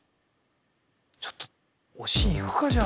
ちょっとおしん行くかじゃあ。